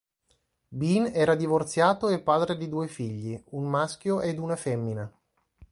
Bean era divorziato e padre di due figli: un maschio ed una femmina.